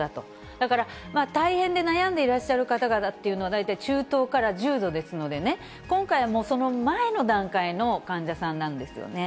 だから、大変で悩んでいらっしゃる方々っていうのは、大体中等から重度ですのでね、今回は、もう、その前の段階の患者さんなんですよね。